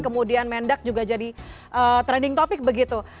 kemudian mendak juga jadi trending topic begitu